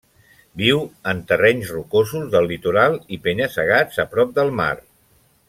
Viu en terrenys rocosos del litoral i penya-segats a prop del mar.